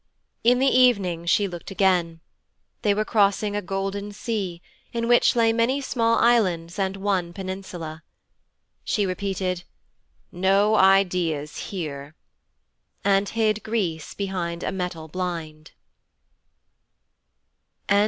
In the evening she looked again. They were crossing a golden sea, in which lay many small islands and one peninsula. She repeated, 'No ideas here,' and hid Greece behind a metal blind.